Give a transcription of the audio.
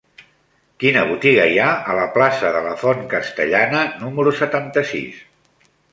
Quina botiga hi ha a la plaça de la Font Castellana número setanta-sis?